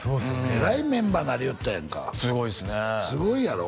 えらいメンバーなりよったやんかすごいですねすごいやろ？